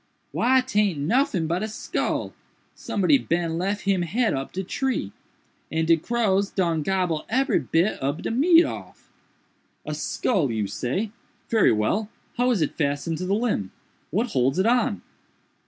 "Why taint noffin but a skull—somebody bin lef him head up de tree, and de crows done gobble ebery bit ob de meat off." "A skull, you say!—very well—how is it fastened to the limb?—what holds it on?"